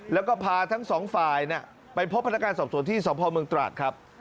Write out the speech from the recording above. แล้วก็พาทั้งสองฝ่ายไปพบพนักงานสอบสวนที่สพเมืองตราดครับ